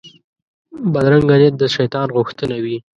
بدرنګه نیت د شیطان غوښتنه وي